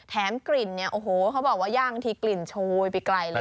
กลิ่นเนี่ยโอ้โหเขาบอกว่าย่างบางทีกลิ่นโชยไปไกลเลย